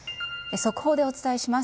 速報でお伝えします。